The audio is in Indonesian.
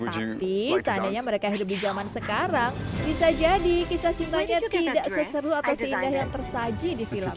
tapi seandainya mereka hidup di zaman sekarang bisa jadi kisah cintanya tidak seseru atau seindah yang tersaji di film